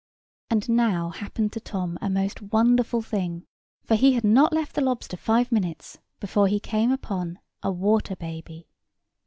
And now happened to Tom a most wonderful thing; for he had not left the lobster five minutes before he came upon a water baby.